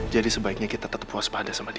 jadi sebaiknya kita tetep puas pada sama dia